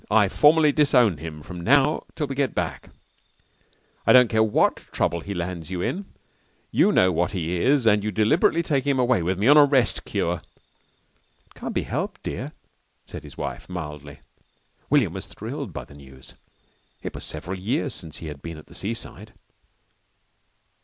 I formally disown him from now till we get back. I don't care what trouble he lands you in. You know what he is and you deliberately take him away with me on a rest cure!" "It can't be helped dear," said his wife mildly. William was thrilled by the news. It was several years since he had been at the seaside.